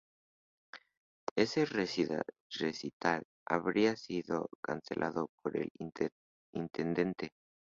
Ese recital habría sido cancelado por el intendente.